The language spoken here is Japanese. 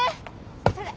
それ！